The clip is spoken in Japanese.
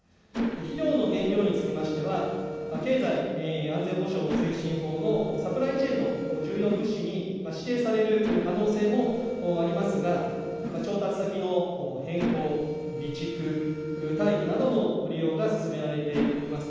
肥料の原料につきましては、経済安全保障推進法のサプライチェーンの重要物資に指定される可能性もありますが、調達先の変更、備蓄、たい肥などの利用がすすめられています。